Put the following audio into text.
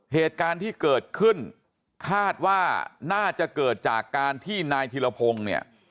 เหตุการณ์ที่เกิดขึ้นคาดว่าน่าจะเกิดจากการที่นายธิรพงศ์เนี่ย